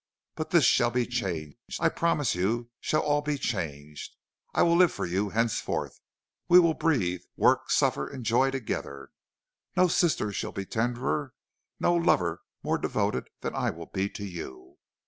But this shall be changed; I promise you shall all be changed. I will live for you henceforth; we will breathe, work, suffer, enjoy together. No sister shall be tenderer, no lover more devoted than I will be to you.